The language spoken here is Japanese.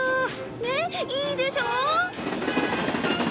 ねっいいでしょう！